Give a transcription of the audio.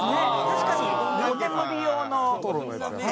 確かに。